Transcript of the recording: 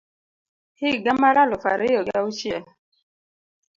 higa mar aluf ariyo gi Auchiel